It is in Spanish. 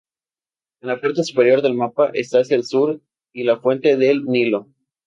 La parte superior del mapa está hacia el sur y la fuente del Nilo.